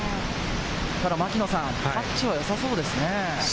牧野さん、タッチはよさそうですね。